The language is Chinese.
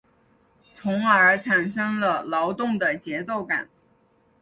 从而产生了劳动的节奏感。